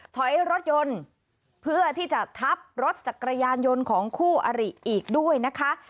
ถอยรถยนต์เพื่อที่จะทับรถจักรยานยนต์ของคู่อริอีกด้วยนะคะ